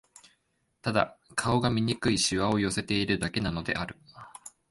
ただ、顔に醜い皺を寄せているだけなのである